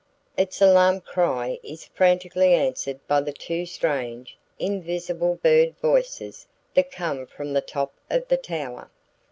Its alarm cry is frantically answered by the two strange, invisible bird voices that come from the top of the tower!